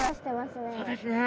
そうですね。